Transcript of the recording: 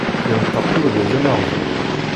Yenṭeq urgaz ameɣbun.